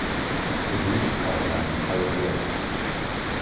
The Greeks called them hieroglyphs.